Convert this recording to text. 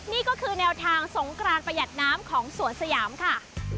นี่ก็คือแนวทางสงกรานประหยัดน้ำของสวนสยามค่ะ